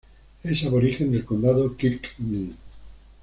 Es aborigen del Condado Kilkenny.